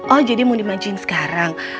oh jadi mau dimajiin sekarang